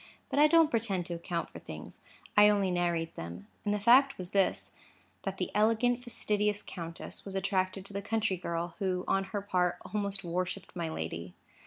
But I don't pretend to account for things: I only narrate them. And the fact was this:—that the elegant, fastidious countess was attracted to the country girl, who on her part almost worshipped my lady.